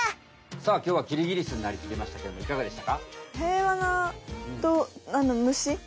さあきょうはキリギリスになりきりましたけどもいかがでしたか？